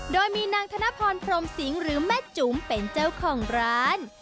โดยมีนางธนพรพรมสิงหรือแม่จุ๋มเป็นเจ้าของร้าน